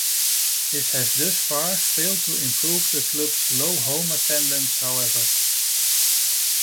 This has thus far failed to improve the club's low home attendance, however.